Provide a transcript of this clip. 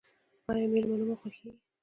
ایا میلمانه مو خوښیږي؟